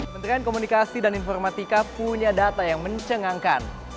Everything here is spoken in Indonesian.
menterian komunikasi dan informatika punya data yang mencengangkan